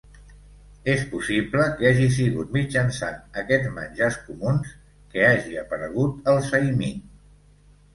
És possible que hagi sigut mitjançant aquests menjars comuns que hagi aparegut el saimin.